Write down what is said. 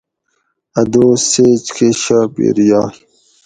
اۤ دوس سیچکۤہ شاپیر یائ